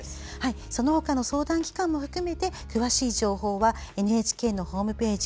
そのほかの相談機関も含めて詳しい情報はＮＨＫのホームページ